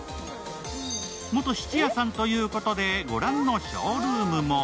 元質屋さんということで御覧のショールームも。